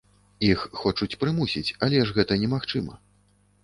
Іх хочуць прымусіць, але ж гэта немагчыма.